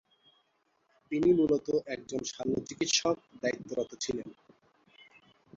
তিনি মূলত একজন শল্যচিকিৎসক দায়িত্বরত ছিলেন।